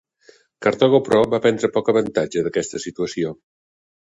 Cartago, però, va prendre poc avantatge d'aquesta situació.